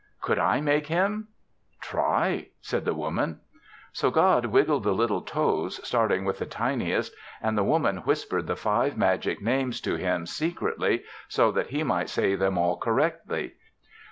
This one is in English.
"Could I make him?" "Try," said the Woman. So God wiggled the little toes, starting with the tiniest, and the Woman whispered the five magic names to Him secretly so that He might say them all correctly.